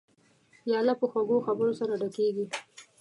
پیاله په خوږو خبرو سره ډکېږي.